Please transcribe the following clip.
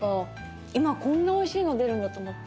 今こんなおいしいの出るんだと思って。